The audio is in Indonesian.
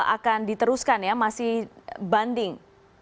akan diteruskan ya masih banding